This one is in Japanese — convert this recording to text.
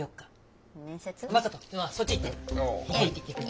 正門そっち行って。